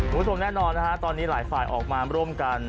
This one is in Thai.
คุณผู้ชมแน่นอนนะฮะตอนนี้หลายฝ่ายออกมาร่วมกัน